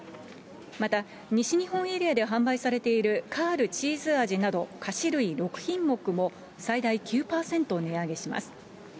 また西日本エリアで販売されているカールチーズあじなど菓子類６品目も最大９％値上げします。